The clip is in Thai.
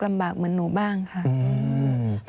ลำบากเหมือนหนูบ้างค่ะ